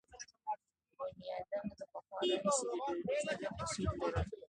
بنیادم له پخوا راهیسې د ټولنیز نظم اصول لرل.